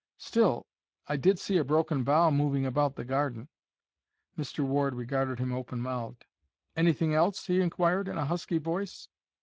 "Still, I did see a broken bough moving about the garden." Mr. Ward regarded him open mouthed. "Anything else?" he inquired, in a husky voice.